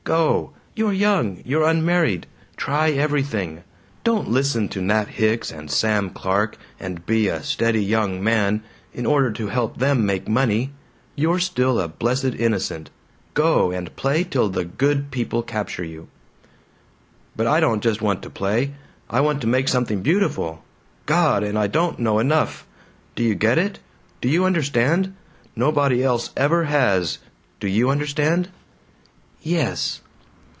Go! You're young, you're unmarried. Try everything! Don't listen to Nat Hicks and Sam Clark and be a 'steady young man' in order to help them make money. You're still a blessed innocent. Go and play till the Good People capture you!" "But I don't just want to play. I want to make something beautiful. God! And I don't know enough. Do you get it? Do you understand? Nobody else ever has! Do you understand?" "Yes."